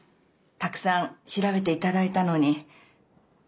たくさん調べていただいたのに。